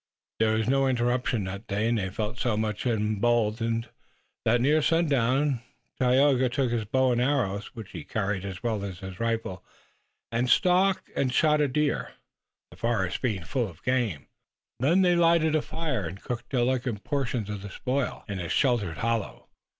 There was no interruption that day, and they felt so much emboldened that near sundown Tayoga took his bow and arrows, which he carried as well as his rifle, and stalked and shot a deer, the forest being full of game. Then they lighted a fire and cooked delicate portions of the spoil in a sheltered hollow.